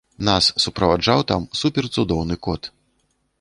Нас суправаджаў там супер-цудоўны кот.